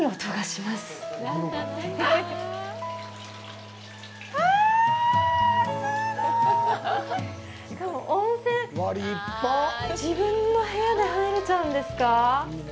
しかも温泉自分の部屋で入れちゃうんですか？